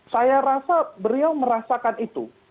saya rasa beliau merasakan itu